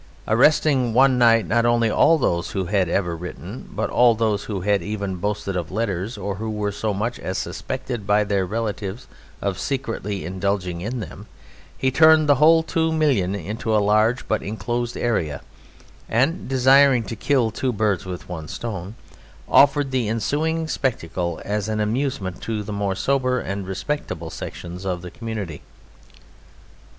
Arresting one night not only all those who had ever written, but all those who had even boasted of letters, or who were so much as suspected by their relatives of secretly indulging in them, he turned the whole two million into a large but enclosed area, and (desiring to kill two birds with one stone) offered the ensuing spectacle as an amusement to the more sober and respectable sections of the community.